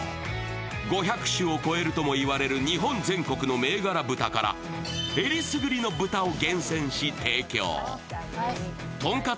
５００種を超えるとも言われる日本全国の銘柄豚から選りすぐりの豚を厳選し、提供。